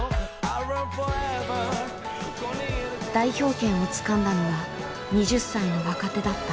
代表権をつかんだのは２０歳の若手だった。